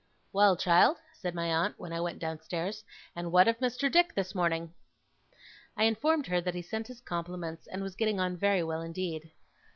'Well, child,' said my aunt, when I went downstairs. 'And what of Mr. Dick, this morning?' I informed her that he sent his compliments, and was getting on very well indeed.